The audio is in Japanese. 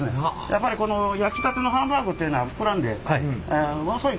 やっぱりこの焼きたてのハンバーグっていうのは膨らんでものすごいふっくらした。